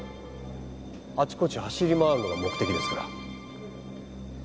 あちこち走り回るのが目的ですから。